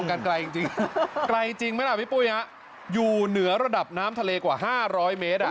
กันไกลจริงไกลจริงไหมล่ะพี่ปุ๊ยอยู่เหนือระดับน้ำทะเลกว่า๕๐๐เมตร